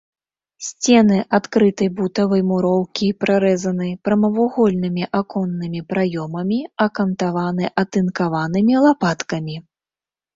Сцены адкрытай бутавай муроўкі прарэзаны прамавугольнымі аконнымі праёмамі, акантаваны атынкаванымі лапаткамі.